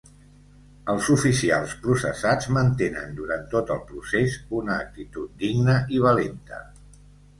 Els oficials processats mantenen durant tot el procés una actitud digna i valenta.